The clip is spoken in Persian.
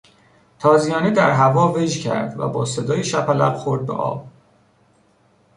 تازیانه در هوا وژ کرد و با صدای شپلق خورد به آب.